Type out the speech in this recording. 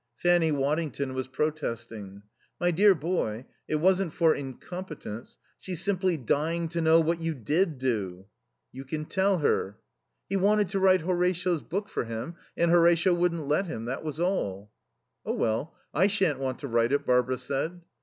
Fanny Waddington was protesting. "My dear boy, it wasn't for incompetence. She's simply dying to know what you did do." "You can tell her." "He wanted to write Horatio's book for him, and Horatio wouldn't let him. That was all." "Oh, well, I shan't want to write it," Barbara said.